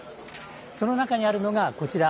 その中にあるのが、こちら。